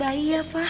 hai apa kabar